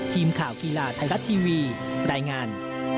ทีมข่าวกีฬาไทยรัฐทีวีรายงาน